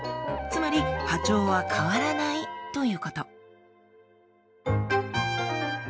つまり波長は変わらないということ。